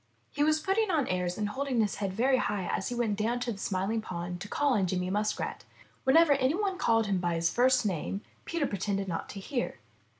He was putting on airs and holding his head very high as he went down to the Smiling Pool to call on Jerry Muskrat. Whenever any one called him by his first name, Peter pretended not to hear.